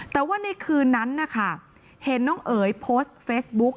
แต่ว่าในคืนนั้นนะคะเห็นน้องเอ๋ยโพสต์เฟซบุ๊ก